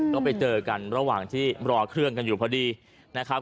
ก็ไปเจอกันระหว่างที่รอเครื่องกันอยู่พอดีนะครับ